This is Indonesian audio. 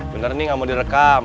bener nih gak mau direkam